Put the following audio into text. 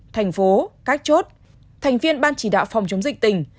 thành phố các chốt thành viên ban chỉ đạo phòng chống dịch tỉnh